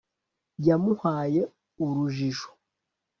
Yamuhaye urujijo